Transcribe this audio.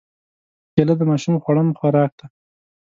کېله د ماشوم خوړن خوراک دی.